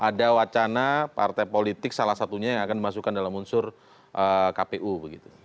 ada wacana partai politik salah satunya yang akan dimasukkan dalam unsur kpu begitu